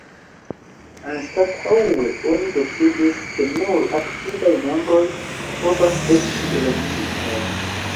Anstataŭe oni decidis, ke nur "aktivaj membroj" povas esti elektitaj.